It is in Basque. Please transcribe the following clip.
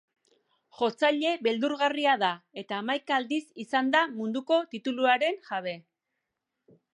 Jotzaile beldurgarria da eta hamaika aldiz izan da munduko tituluaren jabe.